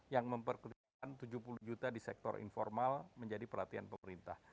yang memperkenalkan tujuh puluh juta di sektor informal menjadi perhatian pemerintah